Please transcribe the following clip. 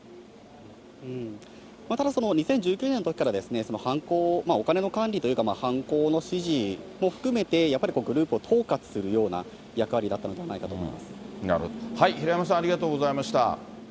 ただその２０１９年のときから、犯行、お金の管理というか、犯行の指示も含めて、やっぱりグループを統括するような役割だったんじゃないかと思い